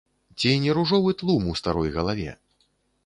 Ці не ружовы тлум у старой галаве?